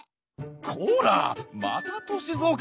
こらまた歳三か！